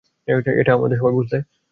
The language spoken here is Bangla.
এটা আমাদের সময়, বুঝলে?